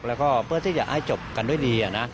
แล้วก็เพื่อที่จะให้จบกันด้วยดีนะ